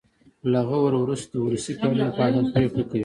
له غور وروسته د ولسي قوانینو په اساس پرېکړه کوي.